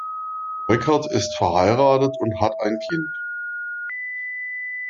Burkert ist verheiratet und hat ein Kind.